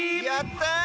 やった！